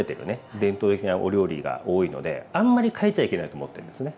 伝統的なお料理が多いのであんまり変えちゃいけないと思ってんですね。